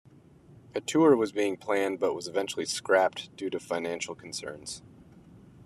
A tour was being planned but was eventually scrapped due to financial concerns.